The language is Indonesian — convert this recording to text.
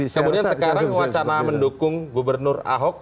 kemudian sekarang wacana mendukung gubernur ahok